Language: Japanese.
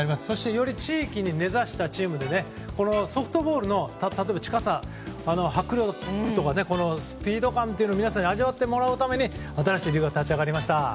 そして、より地域に根差したリーグでしてソフトボールの近さ、迫力とかスピード感を皆さんに味わってもらうために新しいリーグが立ち上がりました。